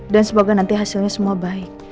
dan semoga nanti hasilnya semua baik